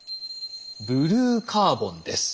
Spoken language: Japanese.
ブルーカーボンです。